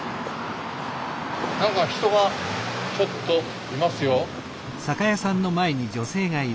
何か人がちょっといますよ。